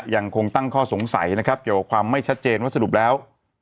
ยังคงตั้งข้อสงสัยนะครับเกี่ยวกับความไม่ชัดเจนว่าสรุปแล้ว